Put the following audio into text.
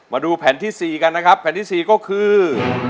มาดูแผ่นที่๔กันนะครับแผ่นที่๔ก็คือ